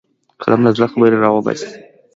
قلم له زړه خبرې راوباسي